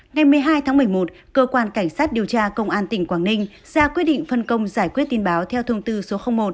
ngày một mươi hai tháng một mươi một cơ quan cảnh sát điều tra công an tỉnh quảng ninh ra quyết định phân công giải quyết tin báo theo thông tư số một